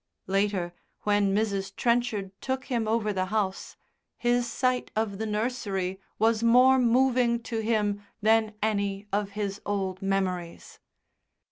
Later, when Mrs. Trenchard took him over the house, his sight of the nursery was more moving to him than any of his old memories.